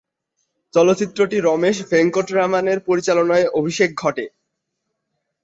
চলচ্চিত্রটি রমেশ ভেঙ্কটরামানের পরিচালনায় অভিষেক ঘটে।